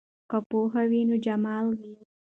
که پوهه وي نو جمال وي.